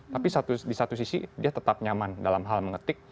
tapi di satu sisi dia tetap nyaman dalam hal mengetik